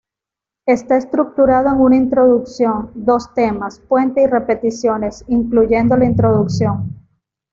Está estructurado en una introducción, dos temas, puente y repeticiones, incluyendo la introducción.